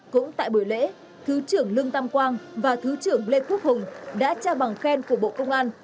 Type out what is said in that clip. cũng tại buổi lễ thứ trưởng lương tam quang và thứ trưởng lê quốc hùng đã trao bằng khen của bộ công an